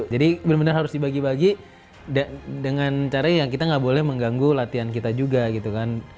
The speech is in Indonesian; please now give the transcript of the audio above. jadi bener bener harus dibagi bagi dengan caranya yang kita gak boleh mengganggu latihan kita juga gitu kan